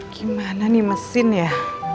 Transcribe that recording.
gimana nih mesin ya